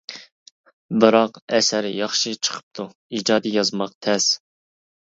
بىراق ئەسەر ياخشى چىقىپتۇ، ئىجادى يازماق تەس.